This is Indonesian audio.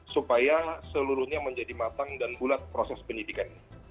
supaya seluruhnya menjadi matang dan bulat proses penyidikan ini